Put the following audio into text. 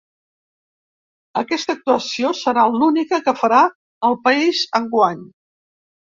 Aquesta actuació serà l’única que farà al país enguany.